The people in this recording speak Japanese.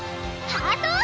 ハートを！